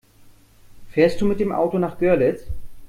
Fährst du mit dem Auto nach Görlitz?